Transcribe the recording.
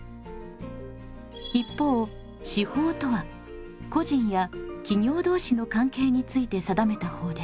一方私法とは個人や企業同士の関係について定めた法です。